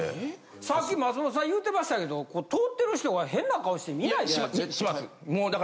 さっき松本さん言うてましたけど通ってる人が変な顔して見ないですか？